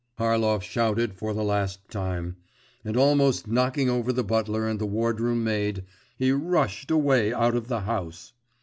Harlov shouted for the last time, and almost knocking over the butler and the wardroom maid, he rushed away out of the house.